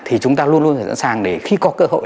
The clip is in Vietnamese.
thì chúng ta luôn luôn sẵn sàng để khi có cơ hội